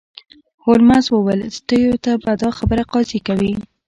هولمز وویل سټیو ته به دا خبره قاضي ته کوې